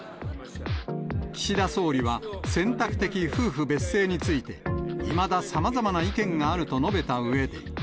岸田総理は、選択的夫婦別姓について、いまださまざまな意見があると述べたうえで。